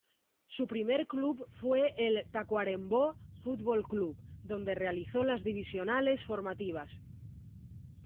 Su primer club fue el Tacuarembó Fútbol Club, donde realizó las divisionales formativas.